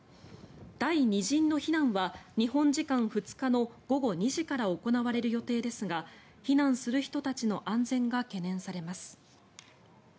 第２陣の避難は日本時間２日の午後２時から行われる予定ですが避難する人たちの安全が懸念されます。